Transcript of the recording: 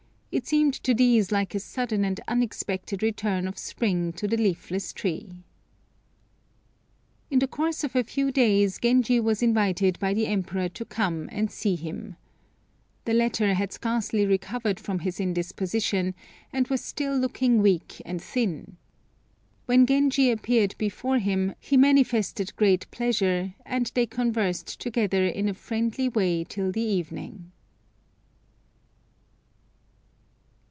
It seemed to these like a sudden and unexpected return of spring to the leafless tree. In the course of a few days Genji was invited by the Emperor to come and see him. The latter had scarcely recovered from his indisposition, and was still looking weak and thin. When Genji appeared before him, he manifested great pleasure, and they conversed together in a friendly way till the evening.